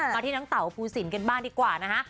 มาที่น้องเต่าภูสินกันบ้างดีกว่านะคะ